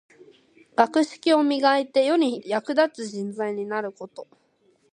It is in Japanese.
学識を磨いて、世に役立つ人材になること。